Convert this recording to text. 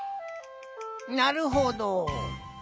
なるほど。